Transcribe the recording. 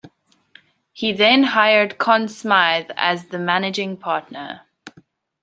He then hired Conn Smythe as the Managing Partner.